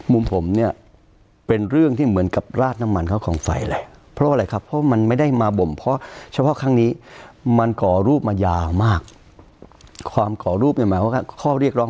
มุมผมเนี่ยเป็นเรื่องที่เหมือนกับราชนางมันเขาของไฟเลยที่ร